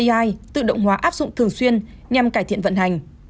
ai tự động hóa áp dụng thường xuyên nhằm cải thiện vận hành